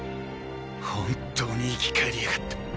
本当に生き返りやがった。